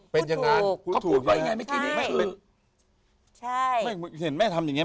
พูดถูก